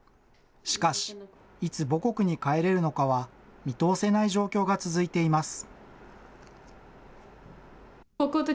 しかし、いつ母国に帰れるのかは見通せない状況が続いています。